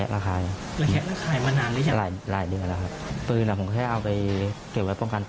ลดไปด้วยกันอ๋อ